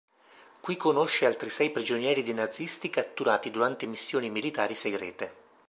Qui conosce altri sei prigionieri dei nazisti catturati durante missioni militari segrete.